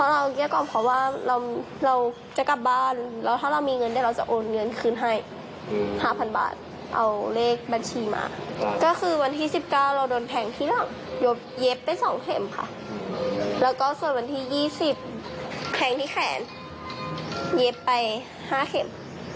เรียบของเรียกบัญชีมาก็คือวันที่๑๙เราโดนแข่งที่หลังโยบเย็บไปสองเข็มค่ะแล้วก็ส่วนที่๒๐แข่งที่แขนเย็บไป๕เข็ม